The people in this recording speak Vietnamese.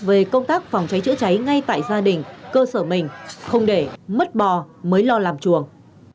về công tác phòng cháy chữa cháy ngay tại gia đình cơ sở mình không để mất bò mới lo làm chuồng